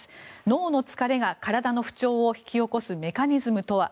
脳の疲れが体の不調を引き起こすメカニズムとは。